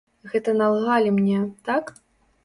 Гэта налгалі мне, так?